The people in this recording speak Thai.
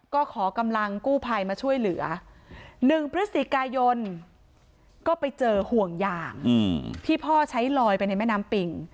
ก็ขอกำลังกู้ภัยมาช่วยเหลือ๑พฤศจิกายนก็ไปเจอห่วงยางที่พ่อใช้ลอยไปในแม่น้ำปิ่ง